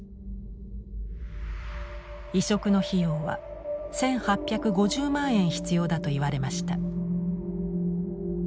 移植の費用は１，８５０万円必要だと言われました。